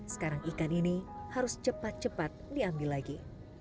sekarang ikan ini harus cepat cepat diambil lagi